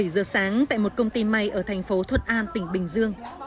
bảy giờ sáng tại một công ty may ở thành phố thuận an tỉnh bình dương